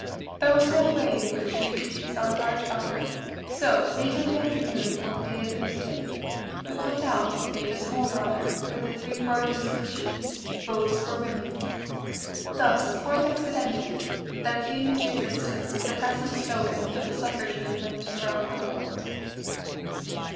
There was no way in which we could use our large banner, so, late in the afternoon on the day of the meeting, we cut out and made a small banner with the three word inscription: "Votes for Women." Thus, quite accidentally, there came into existence the present slogan of the suffrage movement around the world.